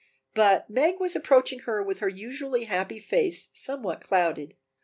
But Meg was approaching her with her usually happy face somewhat clouded.